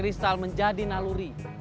menginstal menjadi naluri